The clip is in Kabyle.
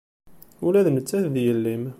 Ula d nettat d yelli-m.